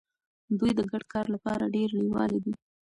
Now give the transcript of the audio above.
دوی د ګډ کار لپاره ډیر لیواله وي.